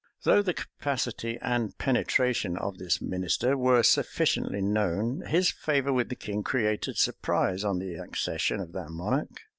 Though the capacity and penetration of this minister were sufficiently known, his favor with the king created surprise on the accession of that monarch.